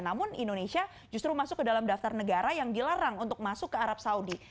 namun indonesia justru masuk ke dalam daftar negara yang dilarang untuk masuk ke arab saudi